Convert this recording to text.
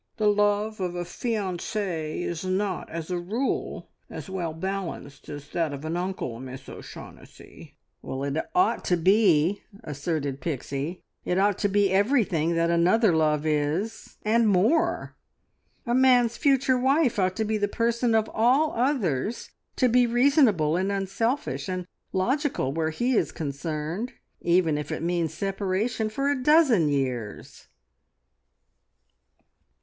The love of a fiancee is not as a rule as well balanced as that of an uncle, Miss O'Shaughnessy!" "It ought to be," asserted Pixie. "It ought to be everything that another love is, and more! A man's future wife ought to be the person of all others to be reasonable, and unselfish, and logical where he is concerned, even if it means separation for a dozen years."